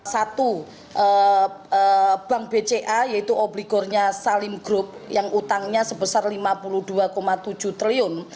satu bank bca yaitu obligornya salim group yang utangnya sebesar rp lima puluh dua tujuh triliun